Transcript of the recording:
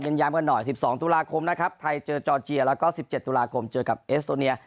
ย้ำกันหน่อย๑๒ตุลาคมนะครับไทยเจอจอร์เจียแล้วก็๑๗ตุลาคมเจอกับเอสโตเนีย